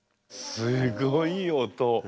すごい音。